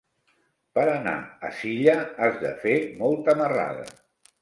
Per anar a Silla has de fer molta marrada.